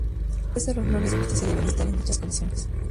Tres de los lores de justicia deben estar en dichas comisiones.